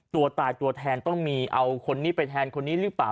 ตัวตายตัวแทนต้องมีเอาคนนี้ไปแทนคนนี้หรือเปล่า